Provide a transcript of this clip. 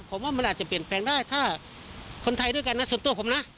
ผมว่ามันอาจจะเปลี่ยนแปลงได้ถ้าคนไทยด้วยกันนะส่วนตัวผมนะ